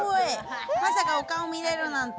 まさかお顔見れるなんて。